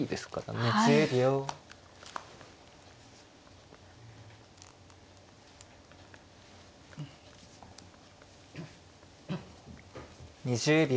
２０秒。